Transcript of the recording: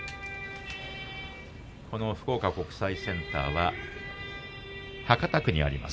この福岡国際センターは博多区にあります。